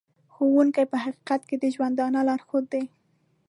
ښوونکی په حقیقت کې د ژوندانه لارښود دی.